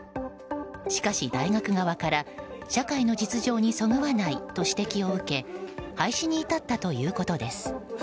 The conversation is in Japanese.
しかし、大学側から社会の実情にそぐわないと指摘を受け廃止に至ったということです。